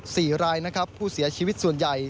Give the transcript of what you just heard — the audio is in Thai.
สี่รายนะครับผู้เสียชีวิตส่วนใหญ่